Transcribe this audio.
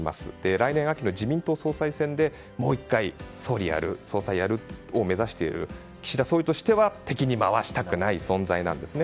来年秋の自民党総裁選でもう１回総裁を目指している岸田総理としては敵に回したくない存在なんですね。